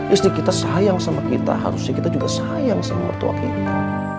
istri kita sayang sama kita harusnya kita juga sayang sama mertua kita